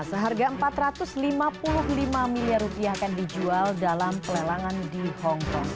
seharga rp empat ratus lima puluh lima miliar akan dijual dalam pelelangan di hong kong